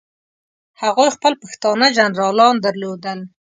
هغوی خپل پښتانه جنرالان درلودل.